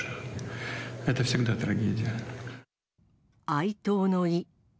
哀悼の意。